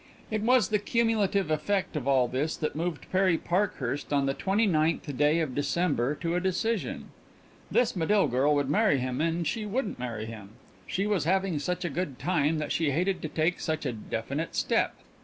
It was the cumulative effect of all this that moved Perry Parkhurst on the twenty ninth day of December to a decision. This Medill girl would marry him and she wouldn't marry him. She was having such a good time that she hated to take such a definite step.